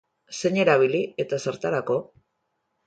Zein erabili eta zertarako?